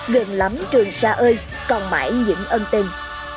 gần lắm trường xa ơi còn mãi những ân tình